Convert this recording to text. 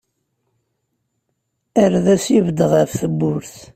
Ar d as-ibedd ɣef tewwurt.